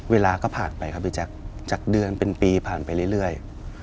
เวลาก็ผ่านไปครับพี่แจ๊คจากเดือนเป็นปีผ่านไปเรื่อย